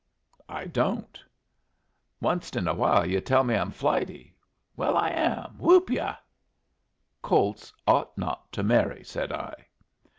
"I don't." "Onced in a while yu' tell me I'm flighty. Well, I am. Whoop ya!" "Colts ought not to marry," said I.